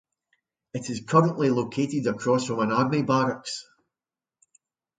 It is currently located across from an army barracks.